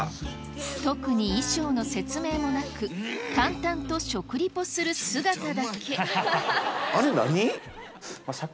特に衣装の説明もなく淡々と食リポする姿だけあれ何？